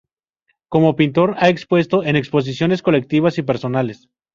Como pintor ha expuesto en exposiciones colectivas y personales.